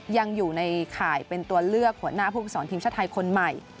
ยังอยู่ในข่ายเป็นตัวเลือกหัวหน้าผู้ฝึกสอนทีมชาติไทยคนใหม่